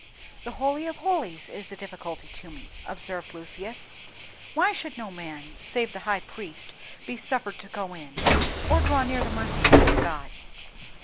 "The Holy of holies is a difficulty to me," observed Lucius; "why should no man, save the high priest, be suffered to go in, or draw near the mercy seat of God?"